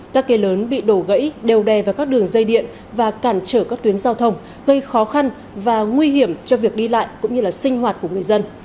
các cây lớn bị đổ gãy đều đè vào các đường dây điện và cản trở các tuyến giao thông gây khó khăn và nguy hiểm cho việc đi lại cũng như là sinh hoạt của người dân